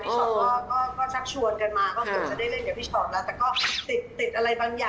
พี่ชอดก็ชักชวนกันมา